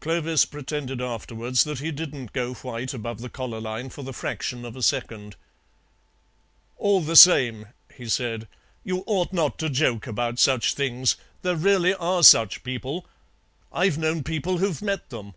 Clovis pretended afterwards that he didn't go white above the collar line for the fraction of a second. "All the same," he said, "you ought not to joke about such things. There really are such people. I've known people who've met them.